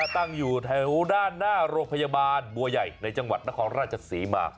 ตั้งอยู่แถวด้านหน้าโรงพยาบาลบัวใหญ่ในจังหวัดนครราชศรีมา